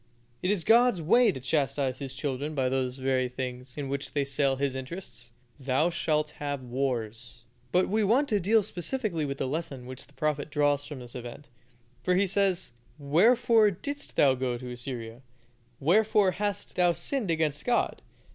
It is God's way to chastise His children by those very things in which they sell His interests. "Thou shalt have wars." But we want to deal specially with the lesson which the prophet draws from this event; for he says, "Wherefore didst thou go to Assyria? Wherefore hast thou sinned against God?